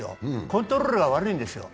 コントロールが悪いんですよ。